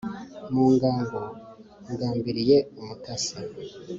Mu ngango ngambiriye umutasi